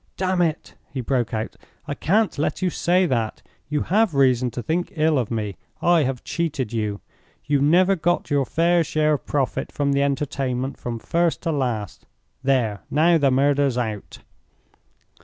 "Damn it!" he broke out; "I can't let you say that. You have reason to think ill of me. I have cheated you. You never got your fair share of profit from the Entertainment, from first to last. There! now the murder's out!"